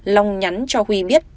long nhắn cho huy biết